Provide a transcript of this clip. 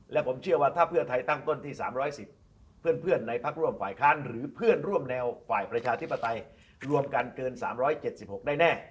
และผมเชื่อว่าถ้าเพื่อไทยตั้งต้นที่๓๑๐เพื่อนในพักร่วมฝ่ายค้านหรือเพื่อนร่วมแนวฝ่ายประชาธิปไตยรวมกันเกิน๓๗๖ได้แน่